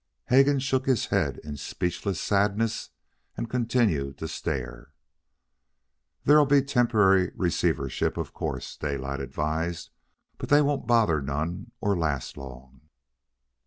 Hegan shook his head in speechless sadness and continued to stare. "There'll be temporary receiverships, of course," Daylight advised; "but they won't bother none or last long.